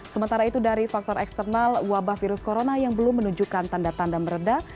sementara itu dari faktor eksternal wabah virus corona yang belum menunjukkan tanda tanda meredah